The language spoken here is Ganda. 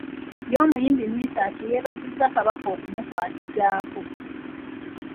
Ye omuyimbi Mesach yeebazizza Kabaka okumukwatizaako.